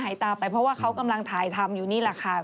หายตาไปเพราะว่าเขากำลังถ่ายทำอยู่นี่แหละค่ะ